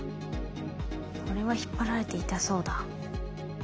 これは引っ張られて痛そうだ。